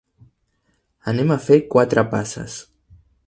Anem a fer quatre passes.